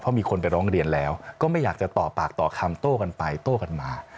มีคนไปร้องเรียนแล้วก็ไม่อยากจะต่อปากต่อคำโต้กันไปโต้กันมา